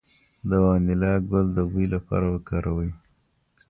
د وانیلا ګل د بوی لپاره وکاروئ